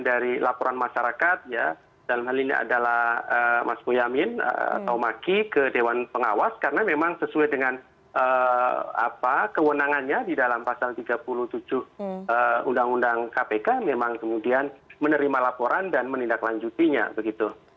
dari laporan masyarakat dalam hal ini adalah mas boyamin atau maki ke dewan pengawas karena memang sesuai dengan kewenangannya di dalam pasal tiga puluh tujuh undang undang kpk memang kemudian menerima laporan dan menindaklanjutinya begitu